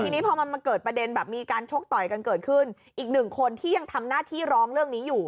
ทีนี้พอมันมาเกิดประเด็นแบบมีการชกต่อยกันเกิดขึ้นอีกหนึ่งคนที่ยังทำหน้าที่ร้องเรื่องนี้อยู่